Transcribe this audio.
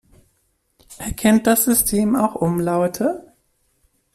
Erkennt das System auch Umlaute?